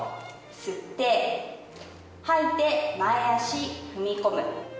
吸って吐いて前脚踏み込む。